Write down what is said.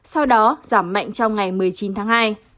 sau đó giảm mạnh trong ngày một mươi chín tháng hai